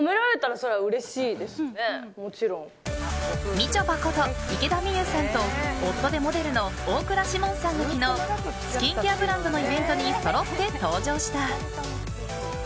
みちょぱこと池田美優さんと夫でモデルの大倉士門さんが昨日、スキンケアブランドのイベントにそろって登場した。